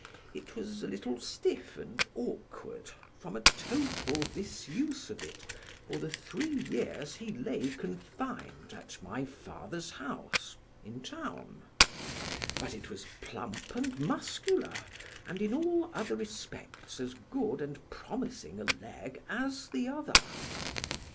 It was a little stiff and awkward, from a total disuse of it, for the three years he lay confined at my father's house in town; but it was plump and muscular, and in all other respects as good and promising a leg as the other.